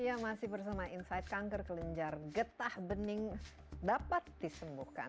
ya masih bersama insight kanker kelenjar getah bening dapat disembuhkan